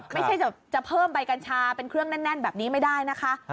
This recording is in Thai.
ไม่ใช่จะเพิ่มใบกัญชาเป็นเครื่องแน่นแบบนี้ไม่ได้นะคะ